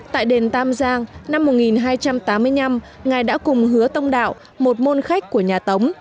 tại đền tam giang năm một nghìn hai trăm tám mươi năm ngài đã cùng hứa tông đạo một môn khách của nhà tống